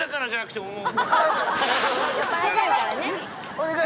お願い！